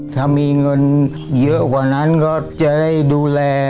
ถ้ามีเงินเยอะกว่านั้นก็จะได้ดูแล